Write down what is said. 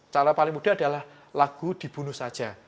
cara paling mudah adalah lagu dibunuh saja